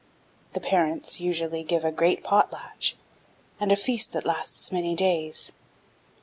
The parents usually give a great potlatch, and a feast that lasts many days.